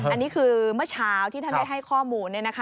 อันนี้คือเมื่อเช้าที่ท่านได้ให้ข้อมูล